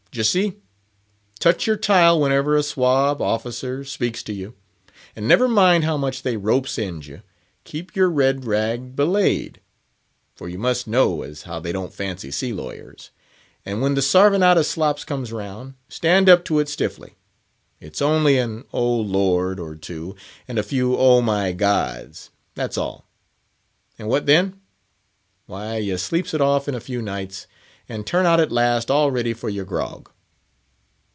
D'ye see, touch your tile whenever a swob (officer) speaks to you. And never mind how much they rope's end you, keep your red rag belayed; for you must know as how they don't fancy sea lawyers; and when the sarving out of slops comes round, stand up to it stiffly; it's only an oh Lord! Or two, and a few oh my Gods!—that's all. And what then? Why, you sleeps it off in a few nights, and turn out at last all ready for your grog."